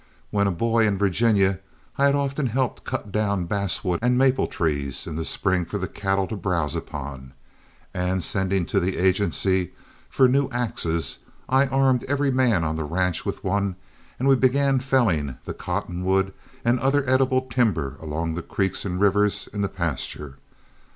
When a boy in Virginia I had often helped cut down basswood and maple trees in the spring for the cattle to browse upon, and, sending to the agency for new axes, I armed every man on the ranch with one, and we began felling the cottonwood and other edible timber along the creeks and rivers in the pasture.